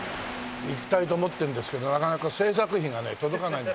行きたいと思ってるんですけどなかなか制作費がね届かない。